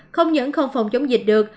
không những không phòng chống dịch được